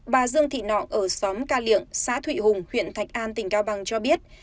bà dương thị nọng ở xóm ca liệng xã thụy hùng huyện thạch an tỉnh cao bằng cho biết